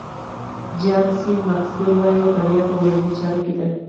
جان سي ماکسویل وایي بریا په ورځنیو چارو کې ده.